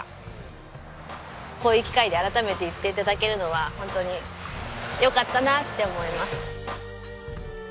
こういう機会で改めて言って頂けるのは本当に良かったなって思います。